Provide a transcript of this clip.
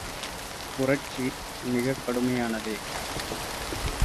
புரட்சி மிகக் கடுமையானதே!